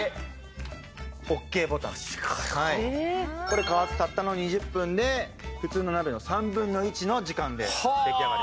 これ加圧たったの２０分で普通の鍋の３分の１の時間で出来上がります。